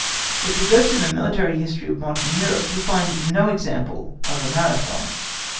If we go through the military history of modern Europe, we find no example of a Marathon.